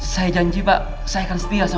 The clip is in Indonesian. saya janji pak saya akan setia sama